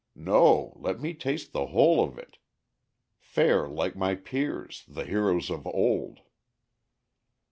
No! let me taste the whole of it; fare like my peers, The heroes of old."